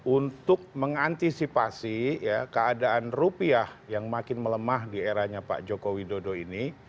untuk mengantisipasi keadaan rupiah yang makin melemah di eranya pak joko widodo ini